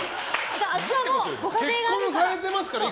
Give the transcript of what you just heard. あちらもご家庭があるから。